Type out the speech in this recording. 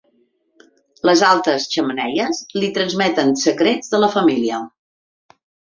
Les altes xemeneies li transmeten secrets de la família.